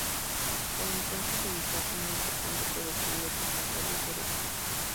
Por entonces editó una importante producción de portafolios eróticos.